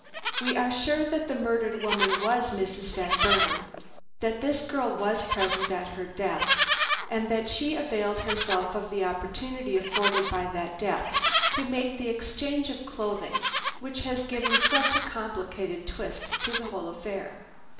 We are sure that the murdered woman was Mrs. Van Burnam, that this girl was present at her death, and that she availed herself of the opportunity afforded by that death to make the exchange of clothing which has given such a complicated twist to the whole affair.